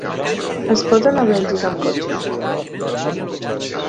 Es pot anar a Bèlgida amb cotxe?